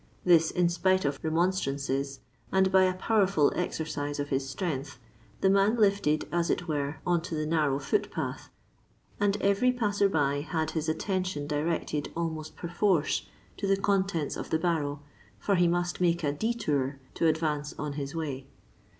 This, in spite of remonstrances, and by a powerful exercise of his strength, the man htted, as it were, on to the narrow foot path, and every passer by had his attention directed almost perforce to the contents of the barrow, for he must make a " detour'* to advance on his way.